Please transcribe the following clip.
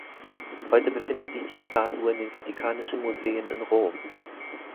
Heute befindet sich die Statue in den Vatikanischen Museen in Rom.